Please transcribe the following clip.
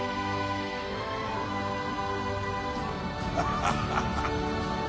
ハハハハハ！